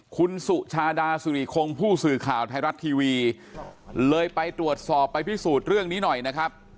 คุณสุชาดาสุริคงผู้สื่อข่าวไทยรัฐทีวีเลยไปตรวจสอบไปพิสูจน์เรื่องนี้หน่อยนะครับ